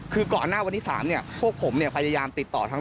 คือก่อนหน้าวันที่๓พวกผมเนี่ยพยายามติดต่อทั้ง